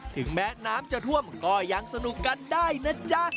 ถึงแม้น้ำจะท่วมก็ยังสนุกกันได้นะจ๊ะ